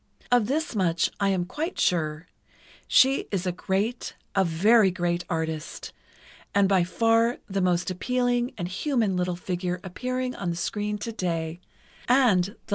Of this much I am quite sure: She is a great, a very great artist, and by far the most appealing and human little figure appearing on the screen today—and the loveliest.